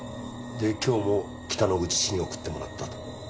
で今日も北之口氏に送ってもらったと？